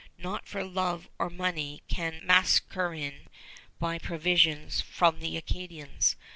Not for love or money can Mascarene buy provisions from the Acadians.